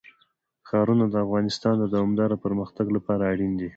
ښارونه د افغانستان د دوامداره پرمختګ لپاره اړین دي.